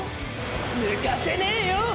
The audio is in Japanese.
抜かせねぇよ！！